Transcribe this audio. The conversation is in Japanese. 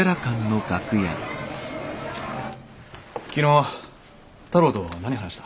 昨日太郎と何話した？